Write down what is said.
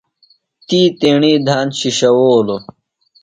تی تیݨی دھان شِشوؤلوۡ۔